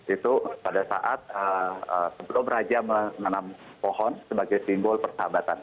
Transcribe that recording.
itu pada saat sebelum raja menanam pohon sebagai simbol persahabatan